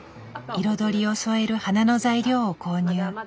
彩りを添える花の材料を購入。